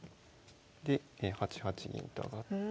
で８八銀と上がって。